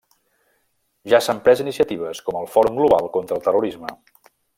Ja s'han pres iniciatives, com el Fòrum Global contra el Terrorisme.